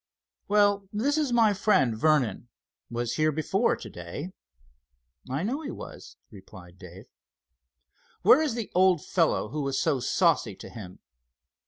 "Well, this is my friend, Vernon. Was here before, to day." "I know he was," replied Dave. "Where is the old fellow who was so saucy to him?"